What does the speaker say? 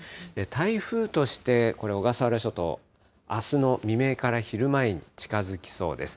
台風として、これ、小笠原諸島、あすの未明から昼前に近づきそうです。